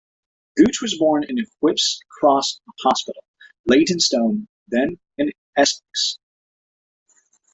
Gooch was born in Whipps Cross Hospital, Leytonstone, then in Essex.